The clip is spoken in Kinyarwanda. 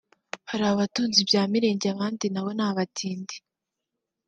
"Hari abatunze ibya mirenge abandi nabo ni abatindi